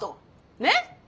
ねっ？